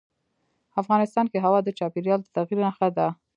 افغانستان کې هوا د چاپېریال د تغیر نښه ده.